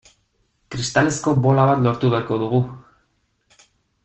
Kristalezko bola bat lortu beharko dugu.